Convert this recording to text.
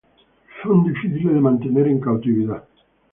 Son difíciles de mantener en cautividad.